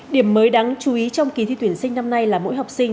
điểm mới đáng chú ý trong kỳ thi tuyển sinh năm nay là mỗi học sinh